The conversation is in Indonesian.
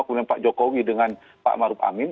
kemudian pak jokowi dengan pak maruf amin